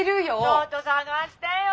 「ちょっと探してよ！